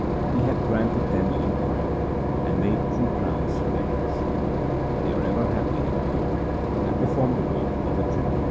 He hath granted them an empire and made true crowns for their heads. They are ever happy and pure, and perform the work of the true Guru.